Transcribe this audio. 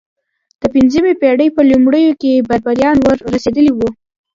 د پنځمې پېړۍ په لومړیو کې بربریان ور رسېدلي وو.